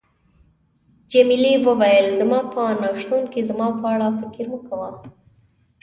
جميلې وويل: زما په نه شتون کې زما په اړه فکر مه کوه.